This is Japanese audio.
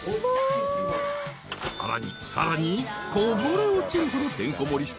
［さらにさらにこぼれ落ちるほどてんこ盛りした］